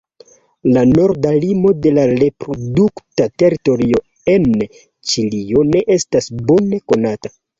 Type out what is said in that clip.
La norda limo de la reprodukta teritorio en Ĉilio ne estas bone konata.